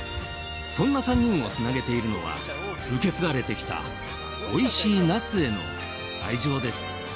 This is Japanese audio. そんな３人をつなげているのは受け継がれてきたおいしいナスへの愛情です。